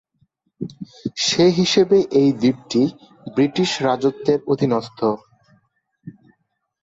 সে হিসেবে এই দ্বীপটি ব্রিটিশ রাজত্বের অধীনস্থ।